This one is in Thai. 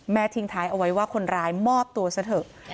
ทิ้งท้ายเอาไว้ว่าคนร้ายมอบตัวซะเถอะ